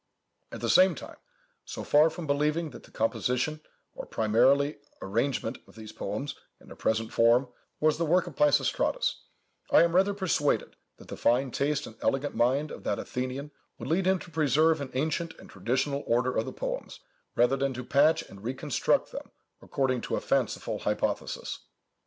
At the same time, so far from believing that the composition or primary arrangement of these poems, in their present form, was the work of Peisistratus, I am rather persuaded that the fine taste and elegant mind of that Athenian would lead him to preserve an ancient and traditional order of the poems, rather than to patch and re construct them according to a fanciful hypothesis.